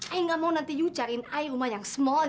ayah nggak mau nanti ibu cari rumah yang kecil